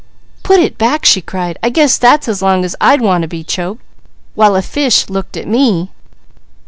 "Put it back!" she cried. "I guess that's as long as I'd want to be choked, while a fish looked at me."